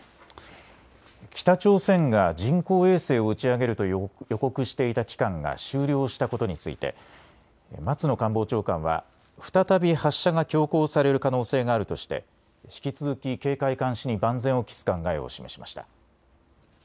北朝鮮が人工衛星を打ち上げると予告していた期間が終了したことについて松野官房長官は再び発射が強行される可能性があるとして引き続き警戒監視に万全を期す考えを示しました。